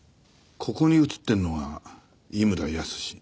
ここに写ってるのが井村泰。